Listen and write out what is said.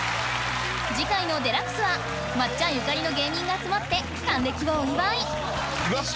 次回の『ＤＸ』は松ちゃんゆかりの芸人が集まって還暦をお祝い！